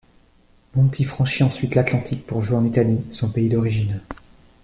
Monti franchit ensuite l'Atlantique pour jouer en Italie, son pays d'origine.